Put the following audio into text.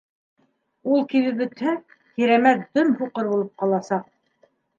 Ул кибеп бөтһә, Кирәмәт дөм һуҡыр булып ҡаласаҡ.